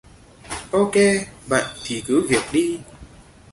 Ok bận thì cứ việc đi